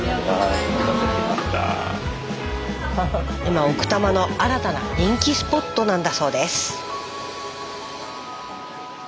今奥多摩の新たな人気スポットなんだそうです。